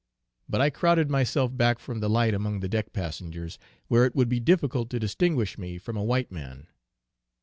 But I crowded myself back from the light among the deck passengers, where it would be difficult to distinguish me from a white man.